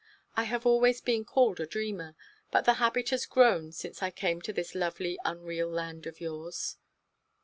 I have always been called a dreamer, but the habit has grown since I came to this lovely unreal land of yours."